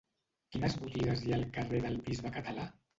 Quines botigues hi ha al carrer del Bisbe Català?